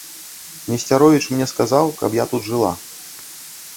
Несцяровіч мне сказаў, каб я тут жыла.